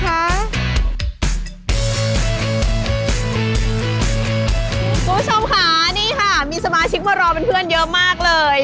คุณผู้ชมค่ะนี่ค่ะมีสมาชิกมารอเป็นเพื่อนเยอะมากเลย